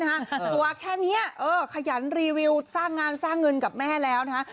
ตัวแค่นี้ขยันรีวิวสร้างงานสร้างเงินกับแม่แล้วนะฮะ